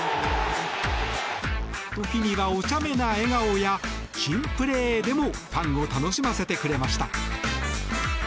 時にはお茶目な笑顔や珍プレーでもファンを楽しませてくれました。